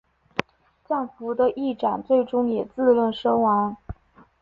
降伏的义长最终也自刃身亡。